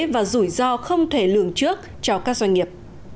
và rủi ro không thể lường trước cho các doanh nghiệp